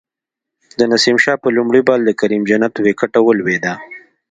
د نسیم شاه په لومړی بال د کریم جنت وکټه ولویده